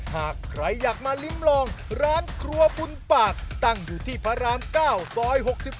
หากใครอยากมาลิ้มลองร้านครัวบุญปากตั้งอยู่ที่พระราม๙ซอย๖๒